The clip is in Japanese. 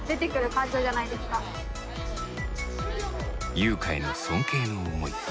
ゆうかへの尊敬の思い。